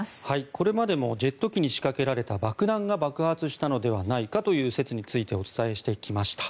これまでもジェット機に仕掛けられた爆弾が爆発したのではないかという説についてお伝えしてきました。